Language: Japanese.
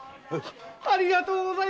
ありがとうございます。